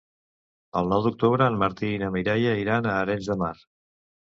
El nou d'octubre en Martí i na Mireia iran a Arenys de Mar.